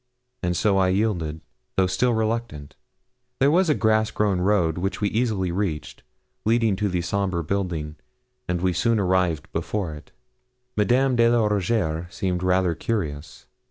And so I yielded, though still reluctant. There was a grass grown road, which we easily reached, leading to the sombre building, and we soon arrived before it. Madame de la Rougierre seemed rather curious.